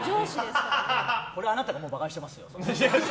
それあなたがもうバカにしてますよ。